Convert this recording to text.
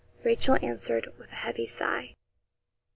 Rachel answered with a heavy sigh.